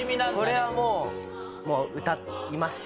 これはもう歌いましたし。